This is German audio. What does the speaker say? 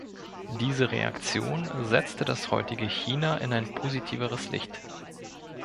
Diese Reaktion setzte das heutige China in ein positiveres Licht.